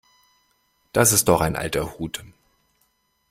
Das ist doch ein alter Hut.